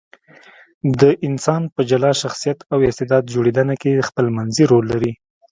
د انسان په جلا شخصیت او استعداد جوړېدنه کې خپلمنځي رول لري.